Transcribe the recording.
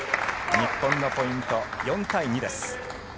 日本のポイント４対２です。